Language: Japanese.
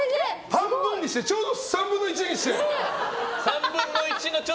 半分にしてちょうど３分の１にして。